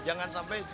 jangan sampai diantara